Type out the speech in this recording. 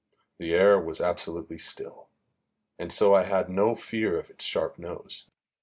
The air was absolutely still, and so I had no fear of its sharp nose.